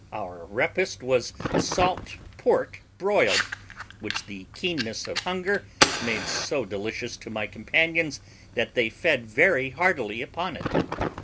Our repast was salt pork broiled, which the keenness of hunger made so delicious to my companions that they fed very heartily upon it.